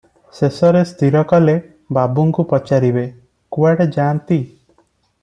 ଶେଷରେ ସ୍ଥିର କଲେ, ବାବୁଙ୍କୁ ପଚାରିବେ, କୁଆଡ଼େ ଯାନ୍ତି ।